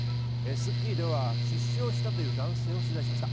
『スッキリ』では出資をしたという男性を取材しました。